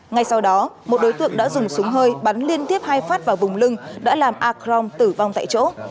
ngay sau đó một đối tượng đã dùng súng hơi bắn liên tiếp hai phát vào vùng lưng đã làm a crong tử vong tại chỗ